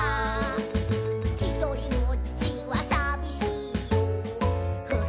「ひとりぼっちはさびしいよ」